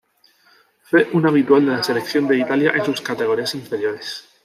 Fue un habitual de la selección de Italia en sus categorías inferiores.